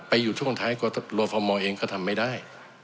อยู่ช่วงท้ายกรฟมเองก็ทำไม่ได้